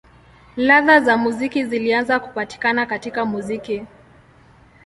Ladha za muziki zilianza kupatikana katika muziki.